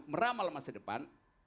meramal masa depan